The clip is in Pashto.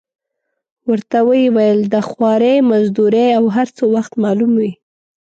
ورته ویې ویل: د خوارۍ مزدورۍ او هر څه وخت معلوم وي.